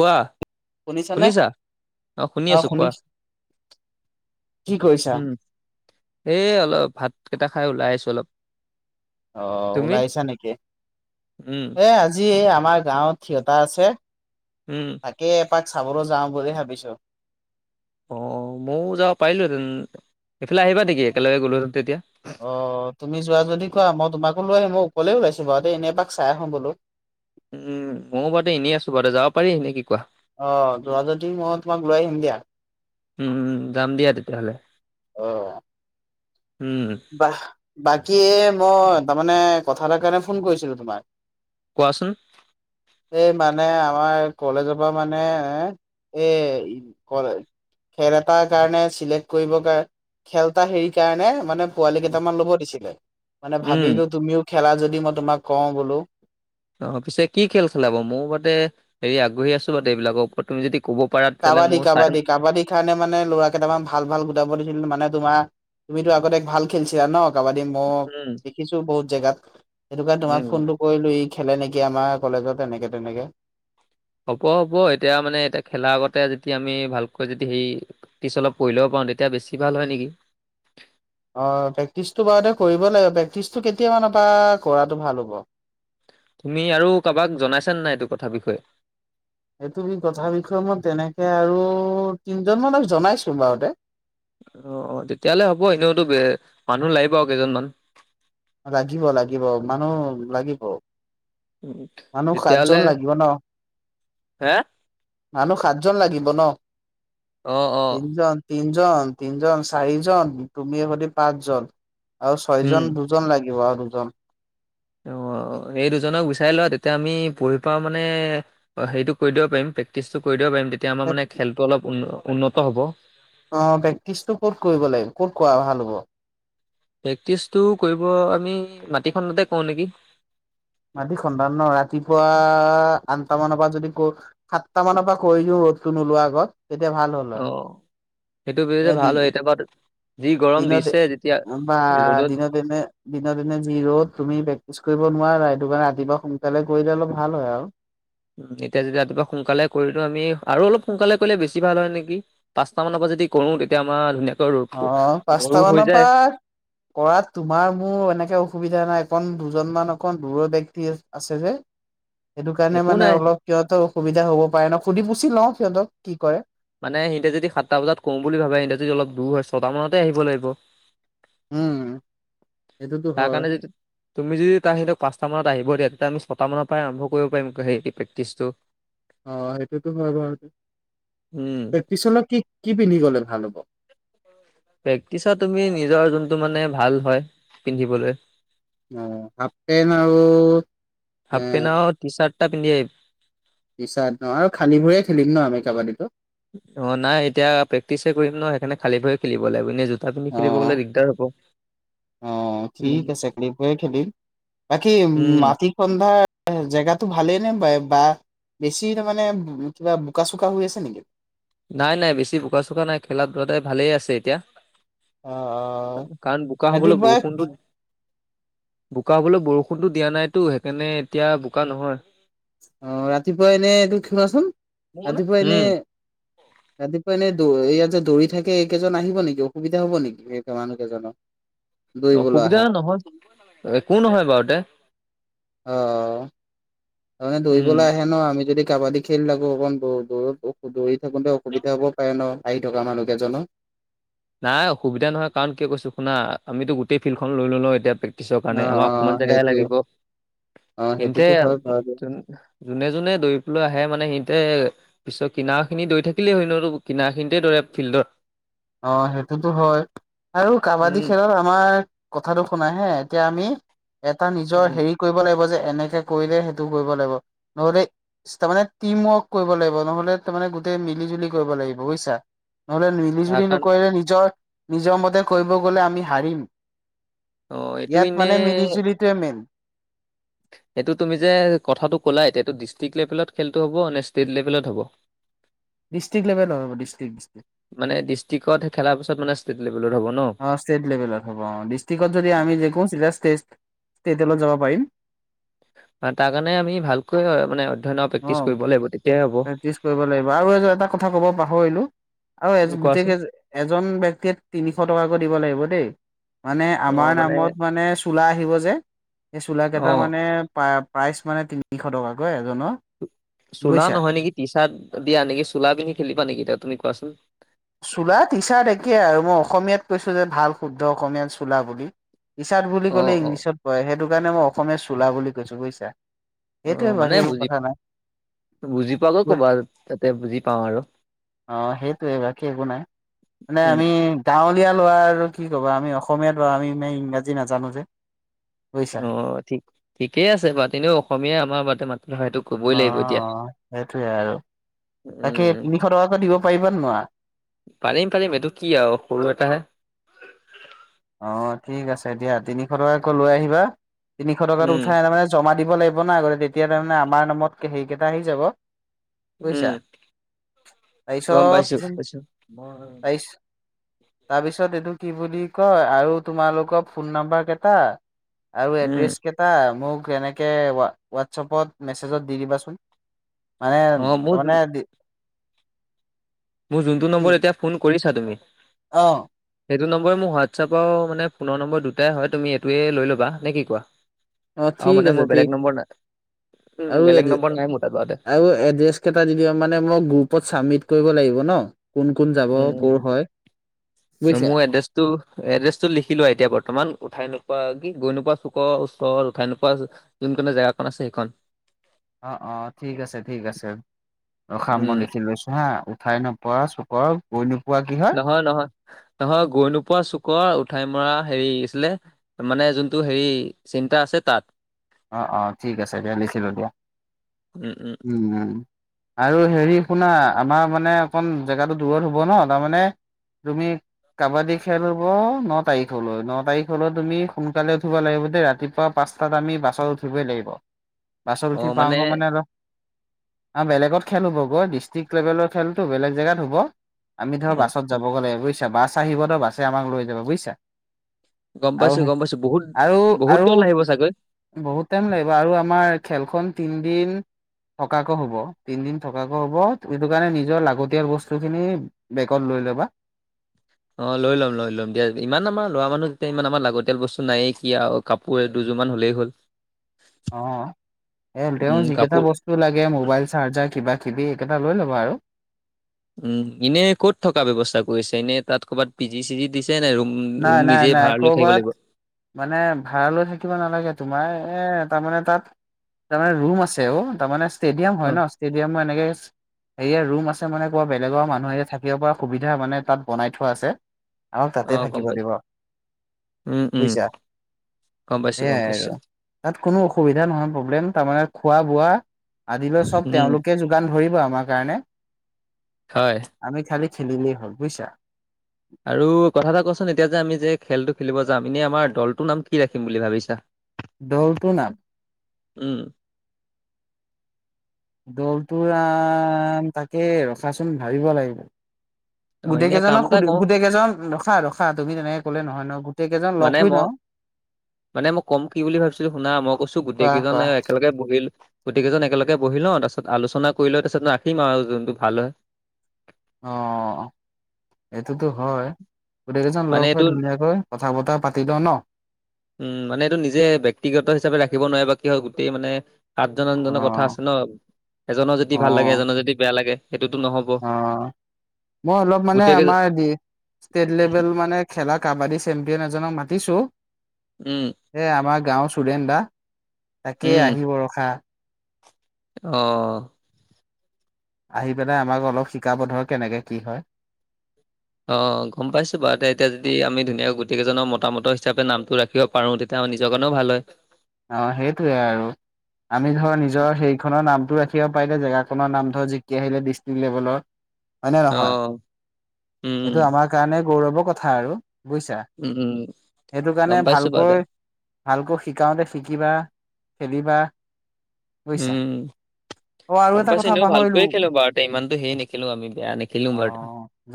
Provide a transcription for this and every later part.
কোৱা শুনিছানে? শুনিছা অ শুনি আছোঁ কোৱা কি কৰিছা? উম এই অলপ ভাত কেইটা খাই ওলাই আছো অলপ অ তুমি? ওলাইছা নেকি উম, এ আজি আমাৰ গাঁৱত থিয়তা আছে উম। তাকেই এপাক চাবলৈ যাওঁ বুলি ভাবিছো অ ময়ো যাব পাৰিলোহেঁতেন এইফালে আহিবা নেকি একেলগে গ'লোহেঁতেন তেতিয়া? অ তুমি যোৱা যদি কোৱা মই তোমাকো লৈ আহি অকলে ওলাইছে বাৰু তে এনে একপাক চাই আহো বোলো উম ময়ো বাৰুতে এনেই আছো বাৰুে যাব পাৰি এনে কি কোৱা অহ যদি মই তোমাক লৈ আহিম দিয়া উম যাম দিয়া তেতিয়াহ'লে আহ উম, বা বাকী মই তাৰমানে কথা এটা কাৰণে ফোন কৰিছিলো তোমাক কোৱাচোন এই মানে আমাৰ কলেজৰ পৰা মানে এ এ কলে খেল এটাৰ কাৰণে চিলেক্ট কৰিব কাৰ খেলটা হেৰি কাৰণে মানে পোৱালি কেইটামান ল'ব দিছিলে মানে উম, ভাবিলো তুমিও খেলা যদি মই তোমাক কওঁ বোলো অ পিছে কি খেল খেলাব মোৰ বাে হেৰি আগ্ৰহী আছো এইবিলাকৰ ওপৰত তুমি যদি ক'ব পাৰা তেতিয়াহ'লে কাবাডী ময়ো চাম। কাবাডী কাবাডী কাৰণে মানে লৰা কেইটামান ভাল ভাল গোটাব দিছিল মানে তোমাৰ তুমিতো আগতে ভাল খেলছিলা ন কাবাডী মই উম, দেখিছো বহুত জেগাত সেইটো কাৰণে তোমাক উম। ফোনটো কৰিলো ই খেলে নেকি আমাৰ কলেজত এনেকে তেনেকে হ'ব হ'ব এতিয়া মানে এতিয়া খেলা আগতে যদি আমি ভালকৈ যদি সেই পেক্ট্ৰিচ অলপ কৰি লব পাৰো তেতিয়া বেছি ভাল হয় নেকি [inaudible] অ প্ৰেক্টিচটো বাৰুতে কৰিব লাগে প্ৰেক্টিচটো কেতিয়া মানাপা কৰাটো ভাল হ'ব [inaudible] তুমি আৰু কাৰোবাক জনাইছনে নাই এইটো কথা বিষয়ে এইটো কি কথা বিষয়ে মই তেনেকে আৰু তিনজন মানক জনাইছো বাৰতে অ অ তেতিয়াহলে হ'ব এনেওতো মানুহ লাগিব আৰু কেইজনমান লাগিব লাগিব মানুহ লাগিব মানুহ তেতিয়াহ'লে সাতজন লাগিব ন। হে মানুহ সাতজন লাগিব ন। অ অ তিনজন তিনজন তিনজন চাৰিজন তুমি সতে পাঁচজন আৰু ছয় উম জন দুজন লাগে। কিৱা দোজন অ এই দুজনক বিচাই লোৱা তেতিয়া আমি পঢ়ি পাও মানে অ হেৰিটো কৰি দিব পাৰিম প্ৰেক্টিচটো কৰি দিব পাৰিম। তেতিয়া আমাৰ মানে খেলটো অলপ উ উন্নত হ'ব। আহ প্ৰেক্টিচটো ক'ত কৰিব লাগিব ক'ত কোৱা ভাল হ'ব। প্ৰেক্টিচটো কৰিব আমি মাটিখনতে কওঁ নেকি? মাটি সধান ন ৰাতিপুৱা আঠট মানৰ পৰা যদি। সাতটা মানৰ পৰা কৰিছো ৰ'দটো নোলোৱাৰ আগত তেতিয়া ভাল হ'ল অ হয়। সেইটো বিয় যে ভাল হয় এতিয় বা। দিনতে বা ৰ'দত দিন দিনে দিনে যি ৰ'দ তুমি প্ৰেক্টিচ কৰিব নোৱাৰা সেইটো কাৰণে ৰাতিপুৱা সোনকালে কৰিলে অলপ ভাল হয় আও। উ এতিয়া যদি ৰাতিপুৱা সোনকালে কৰিলও আমি আৰু অলপ সোনকালে কৰিলে বেছি ভাল হয় নেকি পাঁচট মানৰ পা যদি কৰো তেতিয়া আমাৰ ধুনীয়া অ পাঁচটা মানৰ পৰা কৰাত তোমাৰ মোৰ এনেকে অসুবিধা নাই। অকণ দুজনমান অকণ দূৰৰ ব্যক্তি আছে যে। সেইটো কাৰণে একো মানে নাই অলপ সিহঁতৰ অসুবিধা হ'ব পাৰে ন সুধি পুচি লও সিহঁতক কি কৰে। মানে সিহঁতে যদি সাতটা বজাত কম বুলি ভাবে সিহতে যদি অলপ দূৰ হয় ছয়টা মানতে আহিব লাগিব? উম সেইটোতো তাৰ হয় কাৰণে তুমি যদি তাৰ সিক পাঁচটা মানত আহিব দিয়া এতিয়া আমি ছটা মানৰ পৰাই আৰম্ভ কৰিব পাৰিম হেই প্ৰেক্টিচটো? অ সেইটোতো হয় উম, বাৰুতে পিছলৈত কি কি পিন্ধি গলে ভাল হ'ব। প্ৰেক্টিচত তুমি নিজৰ যোনটো মানে ভাল হয় পিন্ধিবলৈ অ হাফ পেন্ট আৰু এ হাফ পেণ্ট আৰু টি চাৰ্ট এটা পিন্ধি আহিবি। পিছা ন আৰু খালী ভৰিয়ে খেলিম ন আমি কাবাডীটো? অ নাই এতিয়া প্ৰেক্টিচহে কৰিম ন সেইকাৰণে খালি ভয়ে খেলিব লাগিব এনে আপুনি খেলিব অ গলে দিগদাৰ হ'ব অ ঠিক উম, আছে খালি ভৱিয়ে খেলিম বাকী উ উম, মাটি সন্ধা জেগাটো ভালে নে ম বা বেছি তাৰ মানে কিবা বোকা চোকা হৈ আছে নেকি। নাই নাই বেছি বোকা চোকা নাই খেলা ধূলা ঠাই ভালেই আছে এতিয়া। অ অ কাৰণ বোকা হবলৈ ৰাতিপুৱা বৰষুণটো? বোকা হবলৈ বৰষুণটো দিয়া নাইতো সেইকাৰণে এতিয়া বোকা নহয়। অ ৰাতিপুৱা এনে ত খেলাচোন। মোৰ নে? ৰাতিপুৱা এনে উম, ৰাতিপুৱা দ হেৰিয়ত যে দৌৰি থাকে এইকেইজন আহিব নেকি অসুবিধা হব নেকি মানুহ কেইজনৰ। দৌৰিবলৈ অসুবিধা আহা নহয় একো নহয় বাৰুতে। অ তাৰমানে উম, দৌৰিবলৈ আহে ন আমি যদি কাবাডী খেল লাগো অকণ দৌ দৌৰত দৌৰি থাকোতে অসুবিধা হ'ব পাৰে ন। আহি থকা মানুহ কেইজনৰ। নাই অসুবিধা নহয় কাৰণ কিয় কৈছো শুনা আমিতো গোটেই ফিল্ডখন লৈ লওঁ এতিয়া প্ৰে তিছৰ অ অ কাৰণে আমাৰ অকমান জেগাহে সেইটোৱে লাগিব। অ ইনতে সেইটোতো হয় বাৰু যোনে যোনে দৌৰিবলৈ আহে মানে সি তা পিছত কিনাৰখিনি দৈ থাকিলেই হয় নো কিনাৰখিনিতেই দৌৰে ফিল্ডত। অ সেইটোতো হয় আৰু কাবাডী উম, খেলত আমাৰ কথাটো শুনাই হে এতিয়া আমি এটা নিজৰ উম, হেৰি কৰিব লাগিব যে এনেকে কৰিলে সেইটো কৰিব লাগিব নহলে তাৰ মানে টিম ৱৰ্ক কৰিব লাগিব নহলে তাৰ মানে গোটেই মিলি জুলি কৰিব লাগিব বুইছা নহলে মিলি তাৰ যদি কাৰণ নকৰিলে নিজৰ নিজৰ মতে কৰিব গলে আমি হাৰিম। অ' এইটো ইয়াত মানে মিলি জুলিটোৱে মেইন। সেইটো তুমি যে কথাটো ক'লা এতিয়ো ডিষ্ট্ৰিক লেভেলত খেলটো হ'ব নে ষ্টেট লেভেলত হ'ব? ডিষ্ট্ৰিক্ লেভেল হব ডিষ্ট্ৰিক্ ডিষ্ট্ৰিক। ানে [unintelligible] অ ষ্টেট লেভেলত হ'ব অ ডিষ্ট্ৰিকত যদি আমি জিকো চিধা ষ্টেট তেতিয়া হলে যাব পাৰিম। তাৰ কাৰণে আমি ভালকৈ মানে অধ্যয়নৰ অ প্ৰেক্টিচ কৰিব লাগিব তেতিয়া প্ৰেক্টিচ কৰিব লাগিব আৰু এইযোৰ এটা কথা কব পাহৰিলো আৰু উম, এজন গোটেই কোৱাচোন কেইজন ব্যক্তিয়ে তিনিশ টকাকৈ দিব লাগিব দেই। মানে আমাৰ নামত মানে চোলা আহিব যে সেইচোলা কেইটা অ' মানে পা প্ৰাইচ মানে তিনিশ টকাকৈ এজনৰ চোলা বুজিছা। নহয় নেকি টি চাৰ্ট দিয়া এনেকৈ চোলা পিন্ধি খেলিবা নেকি তেতিয়া তুমি কোৱাচোন? চোলা টি চাৰ্ট একেই আৰু মই অসমীয়াত কৈছোঁ যে ভাল শুদ্ধ অসমীয়াত চোলা বুলি। টি চাৰ্ট বুলি অ' কলে অ' ইংলিছত পৰে সেইটো কাৰণে মই অসমীয়া চোলা বুলি কৈছো বুজিছা। সেইটোৱে অ' মানে বাকী একো বুজি কথা নাই। বুজি পোৱাকৈ ক'বা তাতে বুজি পাওঁ আৰু। এ একো নাই মানে উম, আমি গাঁৱলীয়া লৰা আৰু কি ক'বা আমি অসমীয়া ল'ৰা আমি মানে ইংৰাজী নাজানো যে। বুজিছা। অ ঠিক ঠিকেই আছে বাৰু এনে অসমীয়া আমাৰ বা মাতৃভাষাটোক অ সেইটোৱে আৰু। তাকে উম, তিনিশ টকাকৈ দিব পাৰিবা নে নোৱাৰা? পাৰিম পাৰিম এইটো কি আৰু সৰু এটাহে। অ ঠিক আছে দিয়া তিনিশ টকাকৈ লৈ আহিবা তিনিশ টকাত উম। উঠাই আনি মানে জমা দিব লাগিব না তেতিয়া তাৰমানে আমাৰ নামত সেইকেইটা আহি যাব। বুজিছা উম গম তাৰপিছত পাইছো গম পাইছো। তাৰিছ তাৰপিছত এইটো কি বুলি কয় আৰু তোমালোকৰ ফোন নাম্বাৰ কেইটা আৰু উম। এড্ৰেছ কেটা মোক মোক কেনেকে হোৱাটছএপত মেছেজত দি দিবাচোন। মানে অ' মোৰ যোন তাৰমানে দি মোৰ যোনটো কি নম্বৰ এতিয়া ফোন কৰিছা তুমি অ। সেইটো নম্বৰ মোৰ হোৱাটছআপ আৰু মানে ফোনৰ নম্বৰ দুটাই হয় তুমি এইটোৱে লৈ ল'বা নে কি কোৱা? অ ঠিক মানে আছে মোৰ বেলেগ ঠিক নম্বৰ নাই উম আৰু এ বেলেগ নম্বৰ নাই মোৰ তাত। বাৰুতে আৰু এড্ৰেচ কেইটা ও দিবি আৰু মানে মই গ্ৰুপত চাবমিত কৰিব লাগিব। ন কোন কোন যাব কৰ হয় উম বুজিছা। মোৰ এড্ৰেছটো এড্ৰেছটো লিখি লোৱা এতিয়া বৰ্তমান। উঠাই নোপোৱা কি গৈ নোপোৱা চুকৰ ওচৰ উঠাই নোপোৱা যোনকণ জেগাকণ আছে সেইখন। অ অ ঠিক আছে ঠিক আছে ৰখা উম, মই লিখি লৈছো হা। উঠাই নপৰা চুকৰ গৈ নোপোৱা কি হয় নহয় নহয় নহয় গৈ নোপোৱা চুক কৰ উঠাই মৰা হেৰি আছিলে মানে যোনটো হেৰি চিন্তা আছে তাত অ অ ঠিক আছে দিয়া লিখিলো দিয়া উম উম। আৰু হেৰি শুনা আমাৰ মানে অকণ জেগাটো দূৰত হ'ব ন তাৰমানে তুমি। কাবাডী খেল হব ন তাৰিখলৈ ন তাৰিখলৈ তুমি সোনকালে উঠিবা লাগিব দেই ৰাতিপুৱা পাঁচ টাত আমি বাছত উঠিবই লাগিব বাছত উঠি পাওঁ গৈ মানে অলপ অ বেলেগত খেল হ'ব গৈ ডিষ্ট্ৰিক্ট লেভেলৰ খেলটো বেলেগ জেগাত হ'ব। আমি ধৰা অ', বাছত যাব গলে বুজিছা বাছ আহিব ধৰ বাছে আমাক লৈ যাব বুজিছা গম পাইছো আৰু গম পাইছো বহুত আৰু বহুত আৰু দল আহিব চাগৈ বহুত টাইম লাগিব আৰু আমাৰ খেলখন তিনদিন থকাকৈ হ'ব তিন দিন থকাকৈ হ'ব সেইটো কাৰণে নিজৰ লাগতিয়াল বস্তু খিনি বেগত লৈ লবা অ লৈ ল'ম লৈ ল'ম দিয়া ইমান আমাৰ লৰা মানুহ যেতিয়া ইমান আমাৰ লাগতিয়াল বস্তু নায়েই কি আৰু কাপোৰ দু যোৰমান হ'লেই হ'ল অ এই তেওঁ উম, যিকেইটা কাপোৰ বস্তু লাগে মোবাইল চাৰ্জাৰ কিবা কিবি এইকেইটা লৈ ল'বা আৰু। উম এনে ক'ত থকা ব্যৱস্থা কৰিছে এনে তাত কৰবাত পিজি চিজি দি নাই নাই নাই কৰবাত মানে ভাড়ালৈ থাকিব নালাগে তোমাৰ এ তাৰমানে তাত তাৰমানে ৰুম আছে অ তাৰমানে ষ্টেডিয়াম হয় ন অ', ষ্টেডিয়াম এনেকে হেয়া ৰুম আছে মানে ক'ৰবাত বেলেগৰ মানুহে থাকিব পৰা সুবিধা মানে তাত বনাই থোৱা আছে। তাতেই অ', গম থাকিব পাইছো দিব। উম উম গম পাইছো গম সেইয়াই পাইছো আৰু তাত কোনো অসুবিধা নহয় প্ৰব্লেম তাৰমানে খোৱা বোৱা আদিলৈ সব উম, তেওঁলোকে যোগান ধৰিব আমাৰ কাৰণে হয়। আমি খালি খেলিলেই হল বুইছা আৰু কথা এটা কচোন এতিয়া যে আমি যে খেলটো খেলিব যাম এনেই আমাৰ দলটোৰ নাম কি ৰাখিম বুলি ভাবিছা? দলটো নাম উম দলটো আহ তাকে ৰখাচোন ভাবিব লাগিব অ', গোটেই এনে কাম কেইজনক এটা সুধি কৰো গোটেই কেইজন ৰখা ৰখা তুমি তেনেকে ক'লে নহয় ন। গোটেই কেইজন লগ মানে হৈ মই লও মানে মই ক'ম কি বুলি ভাবিছিলো শুনা মই কৈছো গোটেই কোৱা কেইজনে কোৱা একেলগে বহি লৈ গোতেই কেইজন একেলগে বহি লওঁ তাৰপিছত আলোচনা কৰি লৈ তাৰপিছত ৰাখিম আৰু যোনটো ভাল হয়। অ এইটোতো হয় গোটেইকেইজন মানে লগ হৈ এইটো ধুনীয়াকৈ কথা বতৰা পাতি লওঁ ন। উম মানে এইটো নিজে ব্যক্তিগত হিচাপে ৰাখিব নোৱাৰে বা কি হয় গোটেই মানে আঠজন অ আঠজনৰ কথা আছে ন এজনৰ যদি অ ভাল লাগে এজনৰ যদি বেয়া লাগে। সেইটোতো নহ'ব অ মই অলপ মানে গোটেই কেই আমাৰ ষ্টেট লেভেল মানে খেলাক কাবাডী চেম্পিয়ন এজনক মাতিছো উম এ আমাৰ গাঁওৰ চুৰেন দা তাকে আহিব ৰখা অহ আহি পেলাই আমাক অলপ শিকাব ধৰ কেনেকে কি হয়। অ গম পাইছো বাৰু এতিয়া এতিয়া যদি আমি ধুনীয়াকে গোটেই কেইজনৰ মতামত হিচাপে নামটো ৰাখিব পাৰো তেতিয়া নিজৰ কাৰণেও ভাল হয়। অ সেইটোয়ে আৰু আমি ধৰ নিজৰ সেইখনৰ নাম ৰাখিব পাৰিলে জেগাখনৰ নাম ধৰ জিকি আহিলে ডিষ্ট্ৰিক্ট লেভেলৰ হয় নে অ নহয় উম এইটো আমাৰ কাৰণে গৌৰৱৰ কথা আৰু বুজিছা উম উম উম সেইটো কাৰণে গম পাইছো বাৰু দে ভালকৈ ভালকৈ শিকাওঁতে শিকিবা, খেলিবা বুজিছা উম অ আৰু গম এটা পাইছে কথা এনেও পাহৰিলো ভালকৈয়ে খেলো বাৰু ইমানতো হেৰি নেখেলো আমি বেয়া নেখেলো অ বাৰু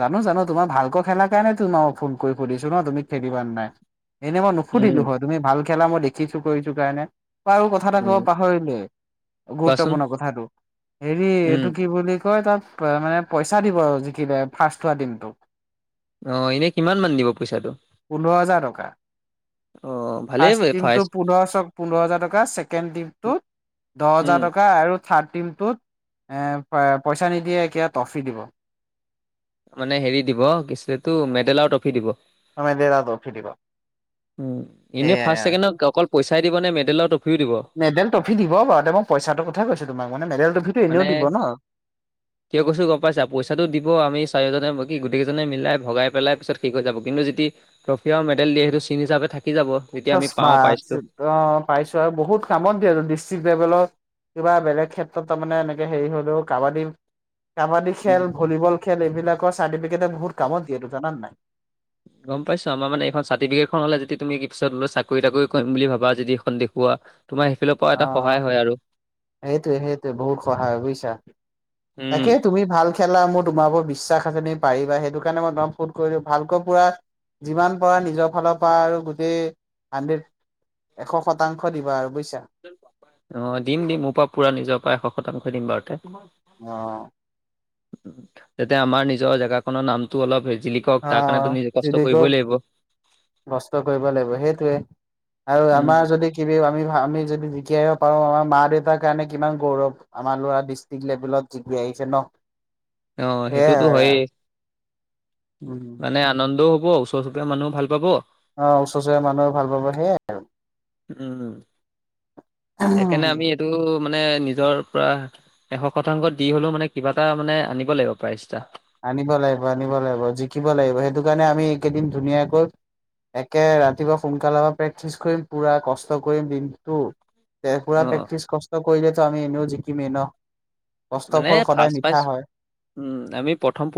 জানো জানো তোমাৰ ভালৈ খেলা কাৰে তোমাকো ফোন কৰি। সুধিছো ন তুমি খেলিব নে নাই এনেই মই উম নোধিলো হয় তুমি ভাল খেলা মই দেখি। চো কৰিছো কাৰণে। বাৰু কথা এটা কব উম পাহৰিলে কোৱাচোন গুৰুত্বপূৰ্ণ কথাটো হেৰি উম এইটো কি বুলি। কয় তাত মানে পইচা দিব আৰু জিকিলে ফাৰ্ষ্ট হোৱা টিমটোক। আহ এনেই কিমান মান দিব পইচাটো। পোন্ধৰ হাজাৰ টকা অ ফাৰ্ষ্ট ভালেই টিমটো পোন্ধৰশ পোন্ধৰ হাজাৰ টকা ছেকেণ্ড টিমটো। দহ উম হাজাৰ টকা আৰু থাৰ্। টাইমটো পইছা নিদিয়ে কিবা টফি দিব। মানে হেৰি দিব কিছু এইটো মেডেল আৰু ট্ৰফি দিব। মেদেল আও ট্ৰফি দিব। উ এনেই ফাৰ্ষ্ট সেয়াই ছেকেণ্ডক অকল পইচাই দিব নে মেডেলত। মেডেল ট্ৰফি দিব বাৰু মই পইচাটো কথা কৈছোঁ তোমাক মানে মেদেলটো হি। মানে কিয় কৈছো গম পাইছা পইচাটো দিব আমি চাৰি হাজাৰ বী গোটেইজনে মিলাই ভগাই পেলাই পিছত ভগাই পেলাই শেষ হয় যাব কিন্তু ট্ৰফি আৰু মেডেল দিয়ে সেইটো চিন হিচাপে থাকে চমা অ পাইছো আৰু বহুত কামত দিয়ে ডিষ্ট্ৰিকট লেভেলত কিবা বেলেগ ক্ষেত্ৰত তাৰমানে এনেকে হেৰি হলেও কাবাডী কাবাডী উম খেল ভলীবল খেল এইবিলাকৰ চাৰ্টিফিকেটে বহুত কামত দিয়ে জানা নাই গম পাইছো আমাৰ মানে এইখন চাৰ্টিফিকেটখন হলে যদি তুমি কি পিছত ল চাকৰি তাকৰি কৰিম বুলি ভাবা যদি এইখন দেখুওৱা পোৱা অ এটা সহায় হয় আৰু। সেইটোৱে সেইটোৱে বহুত সহায় বুজিছা উম তাকে তুমি ভাল খেলা মোৰ। তোমাৰ ওৰত বিশ্বাস আছে তুমি পাৰিবা সেইটো কাৰণে মই তোমাক ফোন কৰিলো ভালকৈ পুৰা। যিমান পাৰে নিজৰ ফালৰ পৰা আৰু গোটেই হাণ্ড্ৰেড। এশ শতাংশ দিবা আৰু বুজিছা। অ দিম দিম মোৰ পৰা পুৰা নিজৰ পৰা এশ শতাংশই দিম বাৰু তে। অ। তেতিয়া আমাৰ নিজৰ জেগাখনৰ নামটো অলপ হ। ঠিক হক তাৰ কাৰণে তো নিজে কষ্ট কৰিবই লাগিব। কষ্ট কৰিব লাগিব সেইটোয়ে আৰু উম আমাৰ যদি কিবি আমি আমি যদি। শিকিব পাৰো আমাৰ মা দেউতাৰ কাৰণে কিমান গৌৰৱ আমাৰ ল'ৰা ডিষ্ট্ৰিক্ট লেভেলত জিকি আহিছে ন। অ সেয়াই সেইটোতো আৰু হয়েই উম, মানে আনন্দও। পাব ওচৰ চুবুৰীয়া মানুহও ভাল পাব। অ ওচৰ চুুৰীয়া মানুহে ভাল পাব সেয়াই আৰু। উম সেইকাৰণে আমি এইটো। মানে নিজৰ পৰা এশ শতাংশ দি হলেও মানে কিবা এটা মানে আনিব লাগিব প্ৰাইচএটা। আনিব লাগিব আনিব লাগিব জিকিব লাগিব সেইটো কাৰণে আমি এই কেইদিন ধুনীয়াকৈ। একে ৰাতিপুৱা সোনকালৰ পৰা প্ৰেক্টিচ কৰিম পুৰা কষ্ট কৰিম দিনটো। তে অ পুৰা প্ৰেক্টিচ কষ্ট কৰিলে তো আমি এনেও জিকিমে ন। মানে কষ্টফল ফাৰ্ষ্ট সদায় প্ৰাইজ মিঠা হয়। উম আমি প্ৰথম